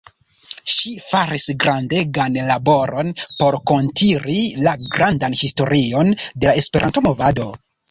Ŝi faris grandegan laboron por kuntiri la grandan historion de la Esperanto-movado.